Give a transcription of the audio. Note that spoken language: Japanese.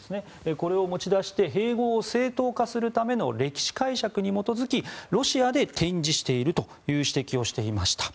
これを持ち出して併合を正当化するための歴史解釈に基づきロシアで展示しているという指摘をしていました。